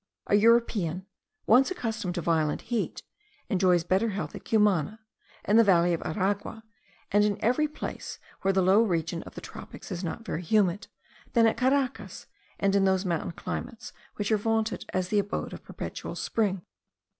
A European, once accustomed to the violent heat, enjoys better health at Cumana, in the valley of Aragua, and in every place where the low region of the tropics is not very humid, than at Caracas, and in those mountain climates which are vaunted as the abode of perpetual spring.